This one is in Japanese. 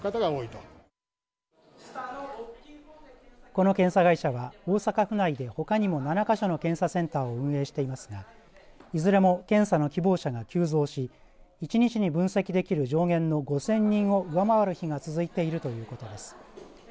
この検査会社は、大阪府内でほかにも７か所の検査センターを運営していますがいずれも検査の希望者が急増し１日に分析できる上限の５０００人を上回る日が続いているということです。